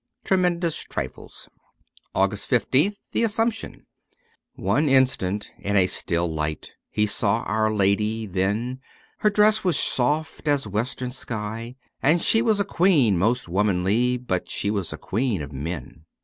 ' Trenundous Trifles' 252 O' AUGUST 15th THE ASSUMPTION ^NE instant in a still light He saw Our Lady, then Her dress was soft as western sky, And she was a queen most womanly, But she was a queen of men.